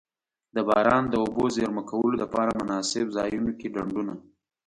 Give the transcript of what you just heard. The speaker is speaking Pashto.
د باران د اوبو د زیرمه کولو دپاره مناسب ځایونو کی ډنډونه.